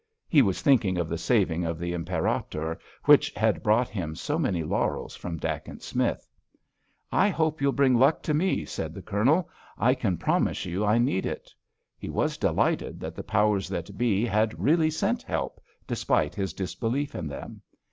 He was thinking of the saving of the Imperator, which had brought him so many laurels from Dacent Smith. "I hope you'll bring luck to me," said the Colonel. "I can promise you I need it." He was delighted that the powers that be had really sent help, despite his disbelief in them.